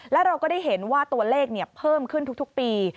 และเราก็ได้เห็นว่าตัวเลขเพิ่มขึ้นทุกปี